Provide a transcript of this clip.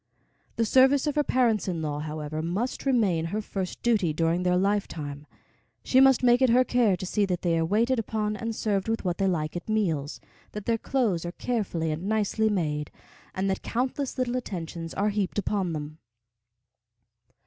The service of her parents in law, however, must remain her first duty during their lifetime. She must make it her care to see that they are waited upon and served with what they like at meals, that their clothes are carefully and nicely made, and that countless little attentions are heaped upon them.